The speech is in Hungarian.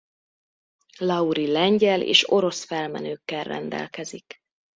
Laurie lengyel és orosz felmenőkkel rendelkezik.